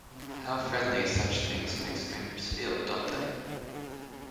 How friendly such things make strangers feel, don't they?